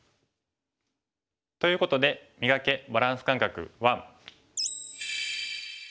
ということで「磨け！バランス感覚１」。